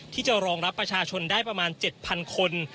ที่จะรองรับประชาชนได้ประมาณ๗๐๐คน